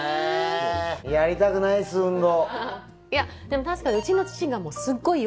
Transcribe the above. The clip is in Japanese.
やりたくないです運動！